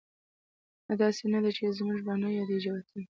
نه، داسې نه ده چې زموږ به نه یادېږي وطن